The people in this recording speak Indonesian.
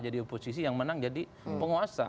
jadi oposisi yang menang jadi penguasa